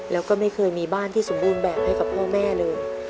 แล้วก็ไม่เคยมีบ้านที่สมบูรณ์แบบให้กับพ่อแม่เลย